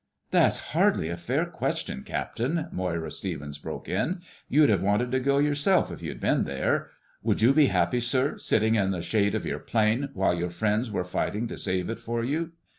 "That's hardly a fair question, Captain!" Moira Stevens broke in. "You'd have wanted to go yourself if you'd been there. Would you be happy, sir, sitting in the shade of your plane while your friends were fighting to save it for you?"